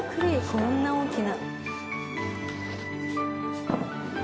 こんな大きな。